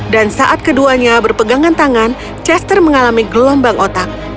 dan saat keduanya berpegangan tangan chester mengalami gelombang otak